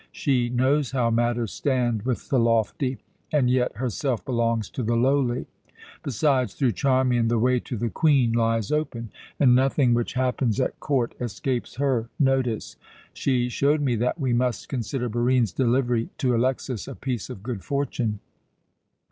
She knows how matters stand with the lofty, and yet herself belongs to the lowly. Besides, through Charmian the way to the Queen lies open, and nothing which happens at court escapes her notice. She showed me that we must consider Barine's delivery to Alexas a piece of good fortune.